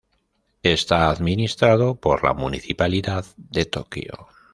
Está administrado por la municipalidad de Tokio.